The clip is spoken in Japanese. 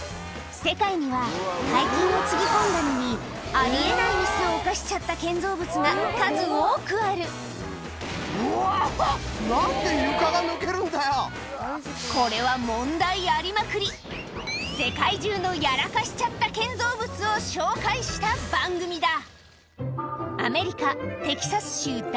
世界には大金をつぎ込んだのにあり得ないミスを犯しちゃった建造物が数多くあるこれは世界中のやらかしちゃった建造物を紹介した番組だアメリカ